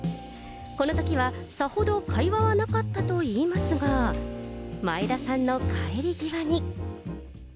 このときは、さほど会話はなかったといいますが、前田さんの帰り際に。